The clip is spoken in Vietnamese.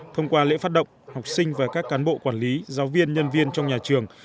thông qua lễ phát động học sinh và các cán bộ quản lý giáo viên nhân viên trong nhà trường